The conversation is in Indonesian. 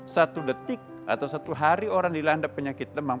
satu detik atau satu hari orang dilanda penyakit demam